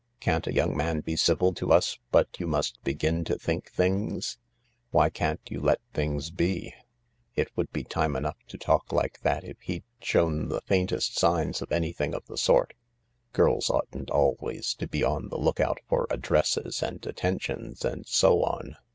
Can't a young man be civil to us but you must begin to think things ? Why can't you let things be ? It would be time enough to talk like that if he'd shown the faintest signs of anything of the sort. Girls oughtn't always to be on the look out for addresses and attentions and so on."